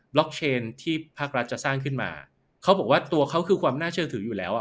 ล็อกเชนที่ภาครัฐจะสร้างขึ้นมาเขาบอกว่าตัวเขาคือความน่าเชื่อถืออยู่แล้วอ่ะ